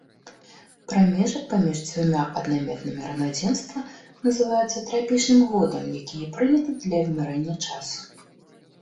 Прамежак паміж дзвюма аднайменнымі раўнадзенства называецца трапічным годам, які і прыняты для вымярэння часу.